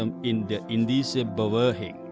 pernyataan ki hajar dewantara